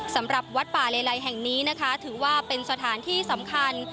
สำหรับวัดป่าเลไลแห่งนี้นะคะถือว่าเป็นสถานที่สำคัญ